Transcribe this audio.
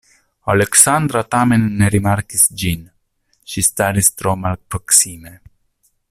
Aleksandra tamen ne rimarkis ĝin; ŝi staris tro malproksime.